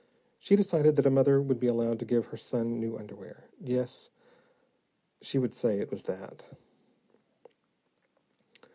She decided that a mother would be allowed to give her son new underwear. Yes, she would say it was that.